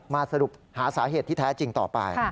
สรุปหาสาเหตุที่แท้จริงต่อไป